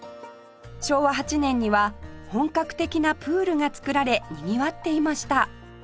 昭和８年には本格的なプールが作られにぎわっていました